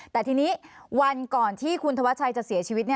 แต่ทีนี้วันก่อนที่คุณธวัชชัยจะเสียชีวิต